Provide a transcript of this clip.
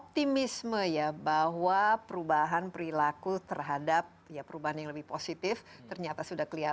terima kasih dr nadia